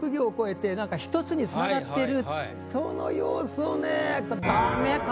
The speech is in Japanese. その様子をね。